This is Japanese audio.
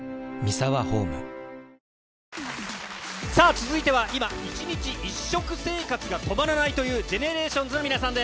続いては今、一日一食生活が止まらないという、ＧＥＮＥＲＡＴＩＯＮＳの皆さん